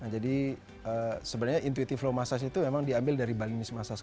jadi sebenarnya intuitive flow massage itu memang diambil dari balinese massage